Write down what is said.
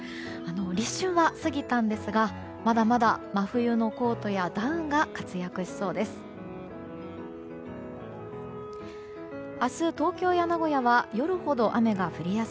立春は過ぎたんですがまだまだ真冬のコートやダウンが活躍しそうです。